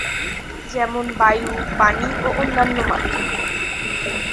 যেমন: বায়ু, পানি ও অন্যান্য মাধ্যম।